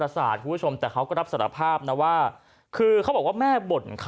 สวดม้นครับ